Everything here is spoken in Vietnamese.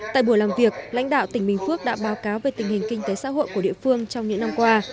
tại buổi làm việc lãnh đạo tỉnh bình phước đã báo cáo về tình hình kinh tế xã hội của địa phương trong những năm qua